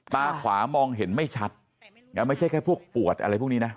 ตาขวามองเห็นไม่ชัดไม่ใช่แค่พวกปวดอะไรพวกนี้นะ